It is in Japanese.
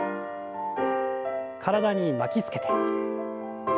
体に巻きつけて。